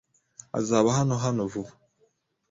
Azaba hano hano vuba.